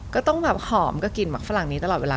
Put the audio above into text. ก็ต้องแบบหอมก็กลิ่นหมักฝรั่งนี้ตลอดเวลา